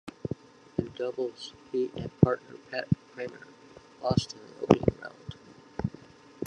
In doubles he and partner Pat Cramer lost in the opening round.